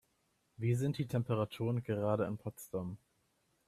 Wie sind die Temperaturen gerade in Potsdam?